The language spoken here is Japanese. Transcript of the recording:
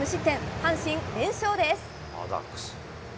阪神、連勝です。